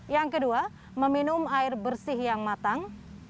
yang kedua meminum air bersih yang matang